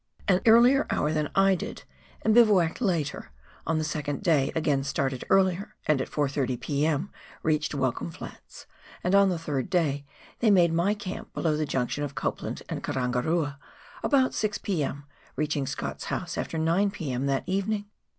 an earlier hour than I did, and bivouacked later, and on the second day again started earlier, and at 4.30 P.M. reached "Welcome Flats ; and on the third day they made my camp below the junction of Copland and Karangarua about 6 p.m., reaching Scott's house after 9 p.m. that evening.